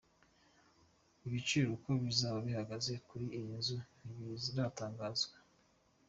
Ibiciro uko bizaba bihagaze kuri buri nzu ntibiratangazwa.